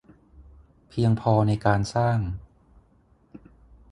เพียงพอในการสร้าง